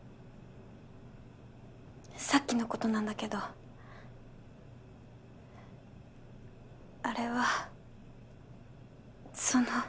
さっきのことなんだけどあれはその。